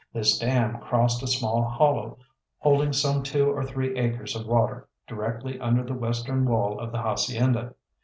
This dam crossed a small hollow holding some two or three acres of water, directly under the western wall of the Hacienda.